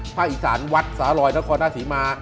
ภาคอีสานวัดสาลอยนครนาศิมา